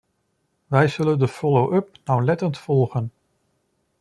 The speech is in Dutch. Wij zullen de follow-up nauwlettend volgen.